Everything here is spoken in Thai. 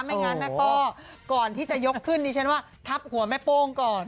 ไม่งั้นนะก็ก่อนที่จะยกขึ้นดิฉันว่าทับหัวแม่โป้งก่อน